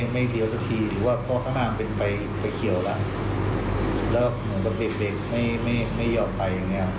ไม่ยอมไปอย่างนี้